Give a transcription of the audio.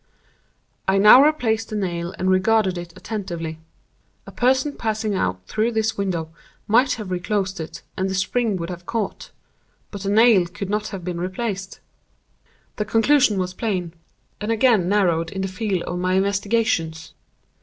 "I now replaced the nail and regarded it attentively. A person passing out through this window might have reclosed it, and the spring would have caught—but the nail could not have been replaced. The conclusion was plain, and again narrowed in the field of my investigations.